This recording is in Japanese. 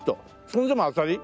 それでも当たり？